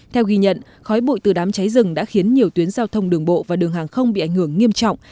theo ghi nhận khói bụi từ đám cháy rừng đã khiến nhiều tuyến giao thông đường bộ và đường hàng không bị ảnh hưởng nghiêm trọng